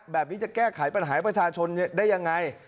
แบบนี้จะแก้ไขปัญหาประชาชนได้ยังไง